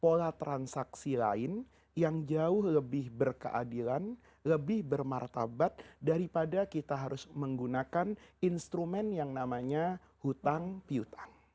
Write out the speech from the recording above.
pola transaksi lain yang jauh lebih berkeadilan lebih bermartabat daripada kita harus menggunakan instrumen yang namanya hutang piutang